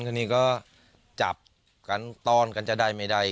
ทีนี้ก็จับกันต้อนกันจะได้ไม่ได้